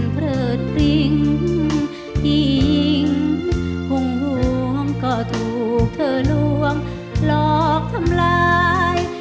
พี่หญิงห่วงห่วงก็ถูกเธอล่วงหลอกทำร้าย